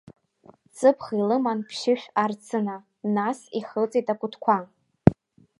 Ҵыԥх илыман ԥшьышә арцына, нас, ихылҵеит акәытқәа.